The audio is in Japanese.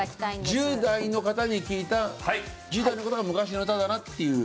１０代の方に聞いた１０代の方が昔の歌だなっていう。